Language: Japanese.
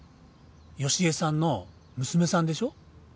佳恵さんの娘さんでしょ？